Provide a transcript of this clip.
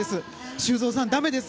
修造さん、だめです。